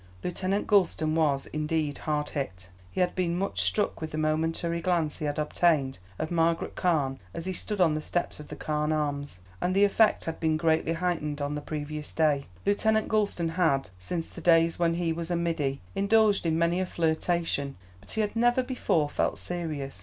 Lieutenant Gulston was, indeed, hard hit; he had been much struck with the momentary glance he had obtained of Margaret Carne as he stood on the steps of the "Carne Arms," and the effect had been greatly heightened on the previous day. Lieutenant Gulston had, since the days when he was a middy, indulged in many a flirtation, but he had never before felt serious.